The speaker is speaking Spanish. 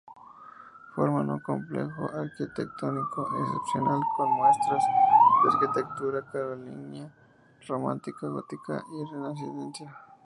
Forman un complejo arquitectónico excepcional, con muestras de arquitectura carolingia, románica, gótica y renacentista.